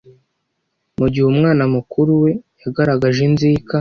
mu gihe umwana mukuru we yagaragaje inzika